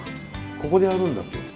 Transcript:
ここでやるんだ今日。